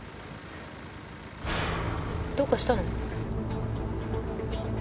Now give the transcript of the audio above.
どうかしたの？